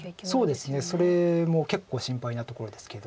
そうですねそれも結構心配なところですけど。